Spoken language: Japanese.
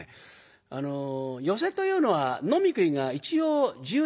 あの寄席というのは飲み食いが一応自由でいいんです。